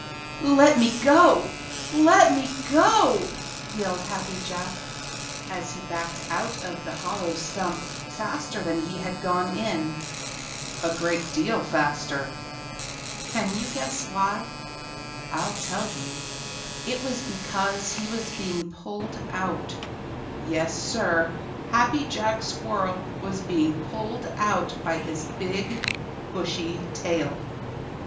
_ "Let me go! Let me go!" yelled Happy Jack, as he backed out of the hollow stump faster than he had gone in, a great deal faster. Can you guess why? I'll tell you. It was because he was being pulled out. Yes, Sir, Happy Jack Squirrel was being pulled out by his big, bushy tail.